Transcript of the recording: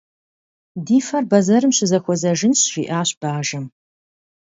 «Ди фэр бэзэрым щызэхуэзэжынщ», - жиӀащ бажэм.